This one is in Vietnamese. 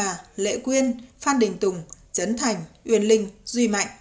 hà quyên phan đình tùng trấn thành uyên linh duy mạnh